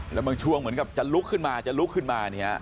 แล้วมันช่วงเหมือนจะลุกขึ้นมานี่ฮะ